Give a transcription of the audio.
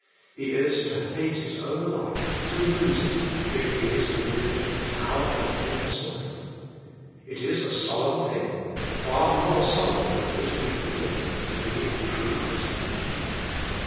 He is to 129 130 The Inner Chamber hate his own life, to lose it, if he is to live in " the power of an endless life." It is a solemn thing, far more solemn than most people think, to be a true Christian.